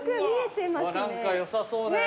何かよさそうね。